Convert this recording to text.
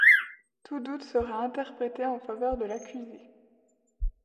Tout doute sera interprété en faveur de l'accusé.